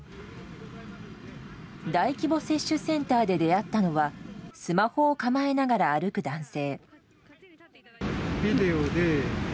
大規模接種センターで出会ったのはスマホを構えながら歩く男性。